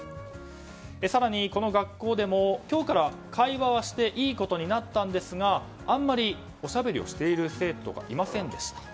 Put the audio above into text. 更に、この学校でも今日から会話はしていいことになったんですがあんまりおしゃべりをしている生徒がいませんでした。